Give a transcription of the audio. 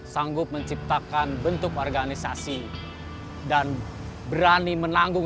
sanggup menciptakan bentuk organisasi dan berani menanggung